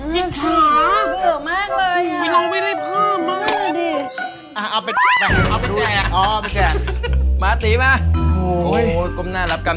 วิทยาแล้วคือเหลือมากเลยอ่ะ